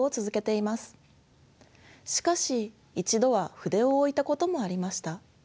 しかし一度は筆を置いたこともありました。